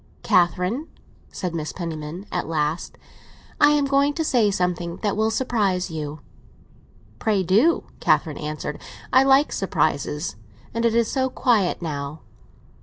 "Catherine," said Mrs. Penniman at last, "I am going to say something that will surprise you." "Pray do," Catherine answered; "I like surprises. And it is so quiet now."